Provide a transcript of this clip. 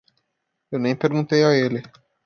Eu nem perguntei a ele.